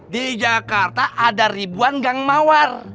di jakarta ada ribuan gang mawar